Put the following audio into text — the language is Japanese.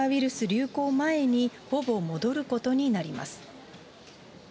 流行前にほぼ戻ることになります。